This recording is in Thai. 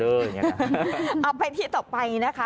เอาไปที่ต่อไปนะคะ